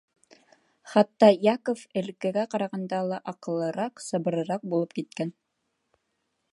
Хатта Яков элеккегә карағанда ла аҡыллыраҡ, сабырыраҡ булып киткән.